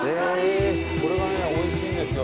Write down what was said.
これがねおいしいんですよ